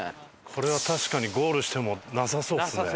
これは確かにゴールしてもなさそうですね